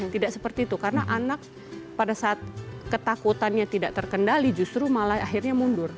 tidak seperti itu karena anak pada saat ketakutannya tidak terkendali justru malah akhirnya mundur